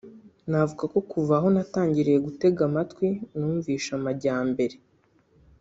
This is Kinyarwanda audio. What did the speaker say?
navuga ko kuva aho natangiriye gutega amatwi numvishe amajyambere